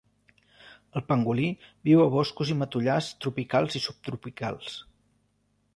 El pangolí viu a boscos i matollars tropicals i subtropicals.